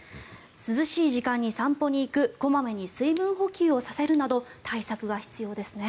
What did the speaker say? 涼しい時間に散歩に行く小まめに水分補給をさせるなど対策が必要ですね。